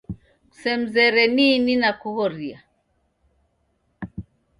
Kusemzere ni ini nakughoria.